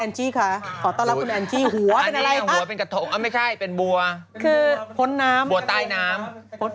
เนี่ยเป็นหัวกับมันมันเป็นวัวเข้ามาใต้น้ำ